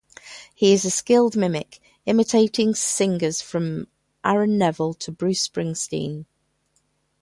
He is a skilled mimic, imitating singers from Aaron Neville to Bruce Springsteen.